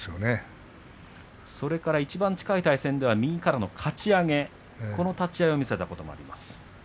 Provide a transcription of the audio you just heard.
いちばん近い対戦では右からのかち上げその立ち合いを見せたこともあります。